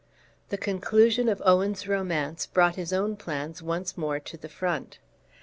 The conclusion of Owen's romance brought his own plans once more to the front.